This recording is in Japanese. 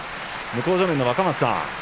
向正面の若松さん